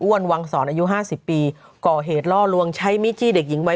วังศรอายุ๕๐ปีก่อเหตุล่อลวงใช้มีดจี้เด็กหญิงวัย